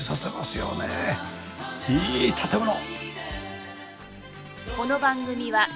いい建物！